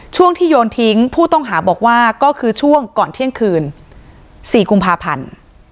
ช่วงที่โยนทิ้งผู้ต้องหาบอกว่าก็คือช่วงก่อนเที่ยงคืน๔กุมภาพันธ์